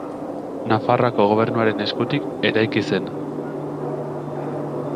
Nafarroako Gobernuaren eskutik eraiki zen.